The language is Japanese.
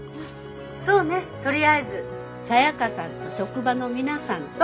そうねとりあえずサヤカさんと職場の皆さんと。